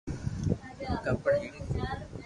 ڪپڙا ھيڙي جي